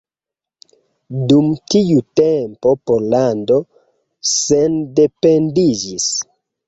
Dum tiu tempo Pollando sendependiĝis.